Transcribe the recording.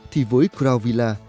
thì với crown villa